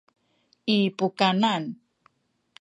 i pukanan